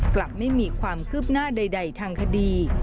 กลับไม่มีความคืบหน้าใดทางคดี